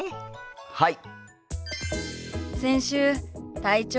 はい！